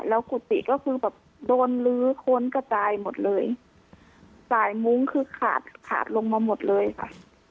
แล้วกุฏิก็คือแบบโดนลื้อค้นกระจายหมดเลยสายมุ้งคือขาดขาดลงมาหมดเลยค่ะ